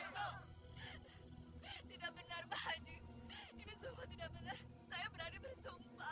tidak benar pak haji ini semua tidak benar saya berani bersumpah